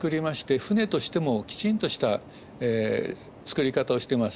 船としてもきちんとした造り方をしてます。